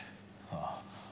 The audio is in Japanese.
ああ。